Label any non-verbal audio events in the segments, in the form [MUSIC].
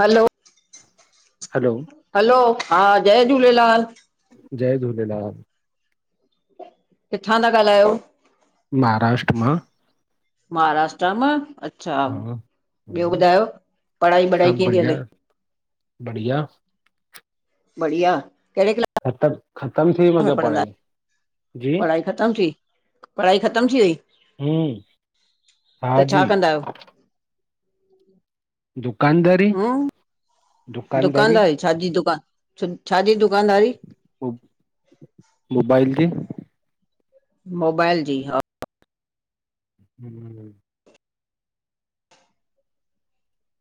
हलो hello hello हा जय झूल्लेलाल। जय झूल्लेलाल किथां था ॻाल्हायो। महाराष्ट्र मां महाराष्ट्रा मां अच्छा। हा, ॿियो ॿुधायो पढ़ाई वढ़ाई सभ कीअं थी बढ़िया, हले। बढ़िया बढिया कॾे क ख़तम ख़तम थी वई पढ़ाईअ। पढ़ाई ख़तम थी पढ़ाई ख़तम थी वई। हिम त छा हाजी कंदा आहियो? दुकानदार हूं दुकानदारी छाजी दुकान छ छाजी दुकानदारी मोबाइल जी। मोबाइल जी हा। हम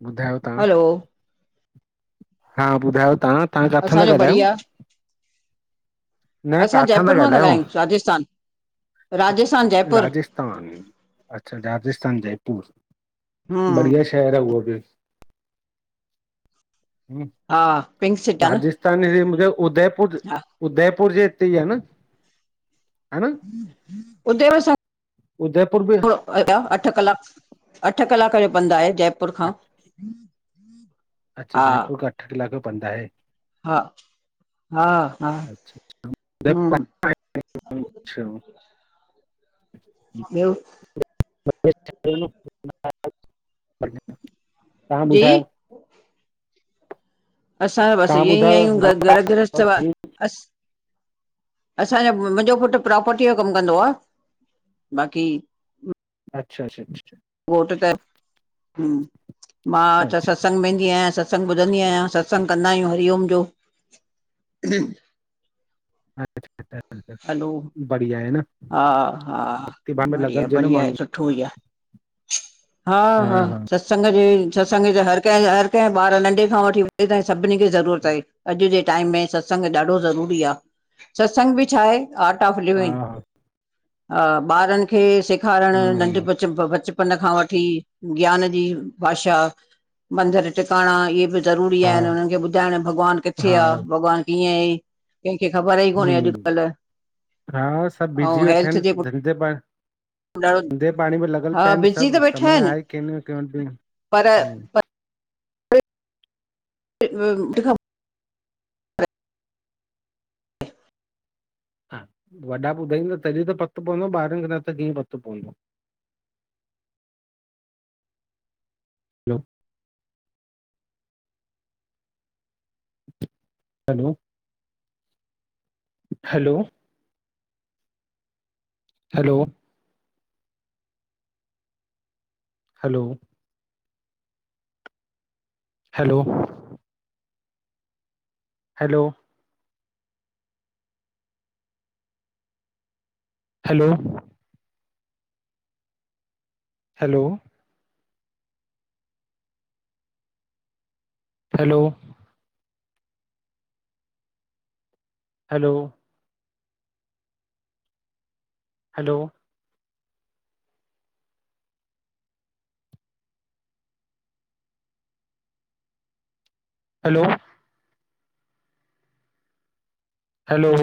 ॿधायो हलो हा ॿधायो त्हां तां कांथा असांजो ॻाल्यो? बढ़िया न असां काथां जयपुर मां था ॻाल्हायो? ॻाल्हायूं राजस्थान। राजस्थान जयपुर राजस्थान, अच्छा राजस्थान जयपुर हूं बढिया शहरु। ठहिर उहो बि हा पिंक सिटी आ न राजस्थान हिअं मुंहिंजे उदयपुर हा उदयपुर जे हित ई आ न हन? उदेव सं उदयपुर बि अठ कलाक अठ कलाक जो पंधु आहे जयपुर खां। अच्छा अच्छा हा जयपुर खां अठ कलाक पंदा आहे। हा हा हा हम। अच्छा। अऊं ॿियो। तहां जी ॿुधायो। असां त बसि काम ईअं ई उधर आहियूं गाँव घरु और घरुतु कहीं- वारा अस असांजो मुंहिंजो पुटु प्रोपर्टीअ जो कमु कंदो आ, बाक़ी अच्छा अच्छ। घोट त मां अच्छा अच्छा त ससंग अच्छा वेंदी, आहियां सत्संग ॿुधंदी आहियां अच्छा ससंग ससंग कंदा आहियूं हरिओम जो। हलो। बढिया आहे न। हा हा भक्ति भाव में लॻल हुजे न बढिया-बढ़िया आहे माण्हू सुठो ई आ। हा हा ससंग जे ससंग जे हरि कंहिं हरि कंहिं ॿार नंढे खां वठी वॾे तांई सभी खे ज़रूरत आहे। अॼु जे टाइम में सत्संग ॾाढो ज़रूरी आ, सत्संग बि छा आहे आर्ट ऑफ लिविंग। हा ॿारनि खे सेखारणु हा नंढ बच बचप पन खां वठी ज्ञान जी भाषा मंदिरु टिकाणा इहे बि ज़रूरी हा आहिनि हुननि खे ॿुधाइण भॻवानु किथे हा आ, भॻवानु कीअं आ। कंहिंखे ख़बर ई कोन्हे हम्म, अॼुकल्ह। हा सभु ऐं बीजी वेठा हेल्थ आहिनि जे धंधे पाणी पुठियां ॾाढो धंधे पाणी में लॻल हा पिया आहिनि बिज़ी त सभु वेठा समय आहिनि आहे कंहिं न कंहिं पर वटु। [UNINTELLIGIBLE] हा वॾा ॿुधाईंदा तॾहिं त पतो पवंदो ॿारनि खे न त कीअं पतो पवंदो। Hello. Hello. Hello. Hello. Hello. Hello. Hello. Hello. Hello. Hello. Hello. Hello. Hello. हलो।